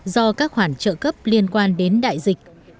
do các khoản trợ cấp liên quan đến đại dịch